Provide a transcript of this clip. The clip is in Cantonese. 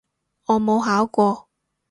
我冇考過